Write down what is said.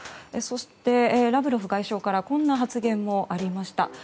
そして、ラブロフ外相からこんな発言もありました。